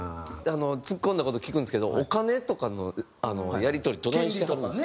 突っ込んだ事聞くんですけどお金とかのやり取りどないしてはるんですか？